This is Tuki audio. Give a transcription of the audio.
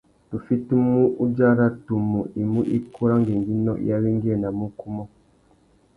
Tu fitimú udzara tumu i mú ikú râ ngüéngüinô i awéngüéwinamú ukú umô.